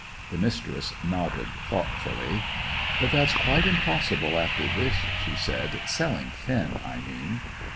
The Mistress nodded thoughtfully. "But that's quite impossible after this," she said; "selling Finn, I mean."